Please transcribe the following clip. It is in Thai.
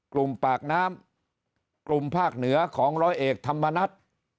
ปากน้ำกลุ่มภาคเหนือของร้อยเอกธรรมนัฐ